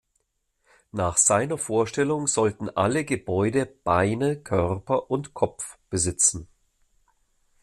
Nach seiner Vorstellung sollten alle Gebäude "Beine", "Körper" und "Kopf" besitzen.